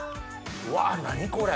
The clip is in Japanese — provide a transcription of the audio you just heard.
わ何これ。